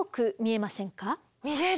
見える。